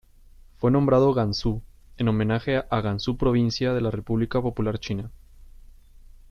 Fue nombrado Gansu en homenaje a Gansu provincia de la República Popular China.